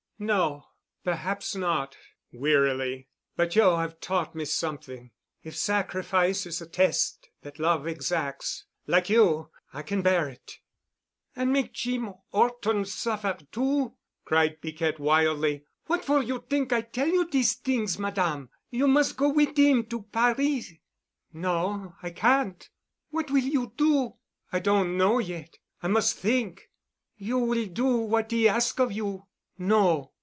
"No, perhaps not," wearily, "but you have taught me something. If sacrifice is the test that love exacts, like you, I can bear it——" "An' make Jeem 'Orton suffer too——!" cried Piquette wildly. "What for you t'ink I tell you dese t'ings, Madame? You mus' go wit' 'im to Paris." "No. I can't." "What will you do?" "I don't know yet. I must think." "You will do what 'e ask of you." "No."